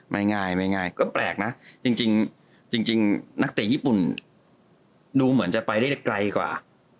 ง่ายไม่ง่ายก็แปลกนะจริงนักเตะญี่ปุ่นดูเหมือนจะไปได้ไกลกว่า